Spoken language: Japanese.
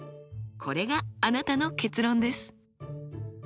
これがあなたの結論です。